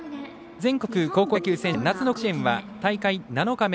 全国高校野球選手権夏の甲子園は大会７日目。